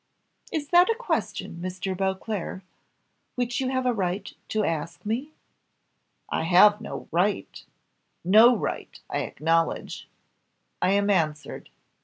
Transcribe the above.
"Is that a question, Mr. Beauclerc, which you have a right to ask me?" "I have no right no right, I acknowledge I am answered."